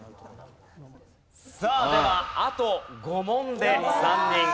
さあではあと５問で３人落第です。